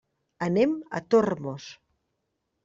Anem a Tormos.